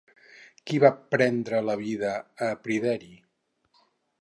Qui va prendre la vida de Pryderi?